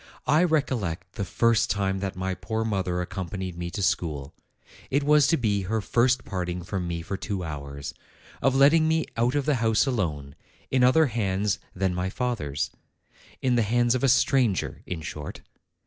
"I recollect the first time that my poor mother accompanied me to school. It was to be her first parting from me for two hours; of letting me out of the house alone, in other hands than my fath er's; in the hands of a stranger, in short.